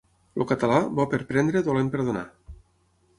El català, bo per prendre, dolent per donar.